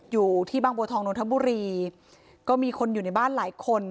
อยู่ที่บางบัวทองนนทบุรีก็มีคนอยู่ในบ้านหลายคน